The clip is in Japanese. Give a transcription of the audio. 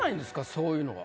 そういうのが。